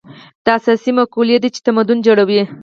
دا اساسي مقولې دي چې تمدن جوړوي.